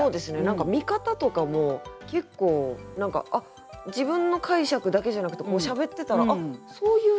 何か見方とかも結構自分の解釈だけじゃなくてこうしゃべってたら「あっ！そういう」